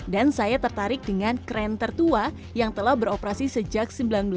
dan saya tertarik dengan kren tertua yang telah beroperasi sejak seribu sembilan ratus delapan belas